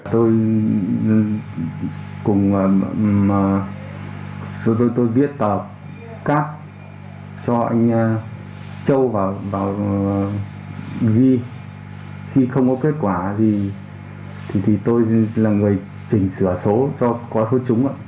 rồi tôi viết tờ cáp cho anh châu vào ghi khi không có kết quả thì tôi là người chỉnh sửa số do có số trúng